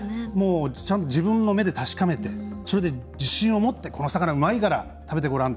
自分の目で確かめてそれで、自信を持ってこの魚うまいから食べてごらん。